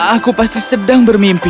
aku pasti sedang bermimpi